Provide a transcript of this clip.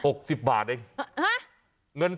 แบบนี้คือแบบนี้คือแบบนี้คือ